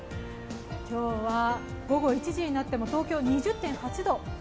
今日は午後１時になっても、東京は２０．８度。